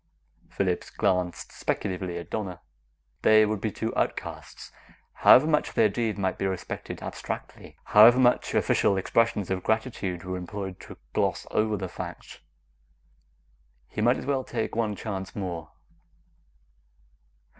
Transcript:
Phillips glanced speculatively at Donna. They would be two outcasts, however much their deed might be respected abstractly, however much official expressions of gratitude were employed to gloss over the fact. He might as well take one chance more.